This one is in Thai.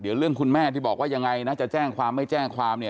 เดี๋ยวเรื่องคุณแม่ที่บอกว่ายังไงนะจะแจ้งความไม่แจ้งความเนี่ย